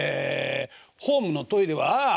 「ホームのトイレはああ